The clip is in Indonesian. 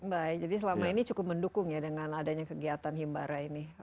baik jadi selama ini cukup mendukung ya dengan adanya kegiatan himbara ini